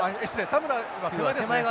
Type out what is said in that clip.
田村が手前ですね。